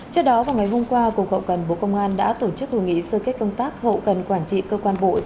trước đó vào ngày hôm qua cục hậu cần bộ công an đã tổ chức hội nghị sơ kết công tác hậu cần quản trị cơ quan bộ